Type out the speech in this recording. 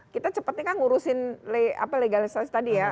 kita cepatnya kan ngurusin legalisasi tadi ya